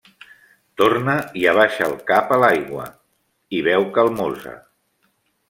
Torna i abaixa el cap a l'aigua, i beu calmosa.